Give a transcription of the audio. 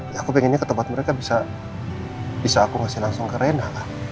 ya aku pengennya ke tempat mereka bisa aku ngasih langsung ke rena